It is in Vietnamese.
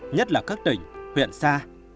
nhất là các tỉnh huyện xa